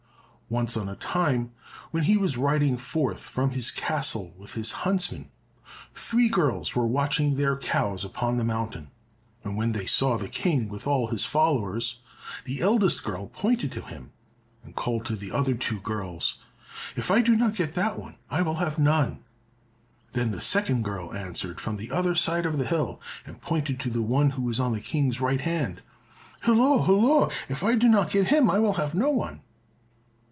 Once on a time when he was riding forth from his castle with his huntsmen, three girls were watching their cows upon the mountain, and when they saw the King with all his followers, the eldest girl pointed to him, and called to the two other girls, "If I do not get that one, I will have none." Then the second girl answered from the other side of the hill, and pointed to the one who was on the King's right hand, "Hilloa! hilloa! If I do not get him, I will have no one."